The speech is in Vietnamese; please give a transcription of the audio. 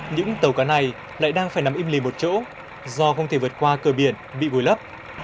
những tàu cá này lại đang phải nằm im lì một chỗ do không thể vượt qua cờ biển bị vùi lấp